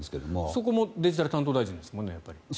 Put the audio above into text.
そこもデジタル担当大臣ですもんね。